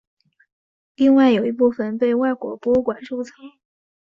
另外有一部份被外国博物馆收藏。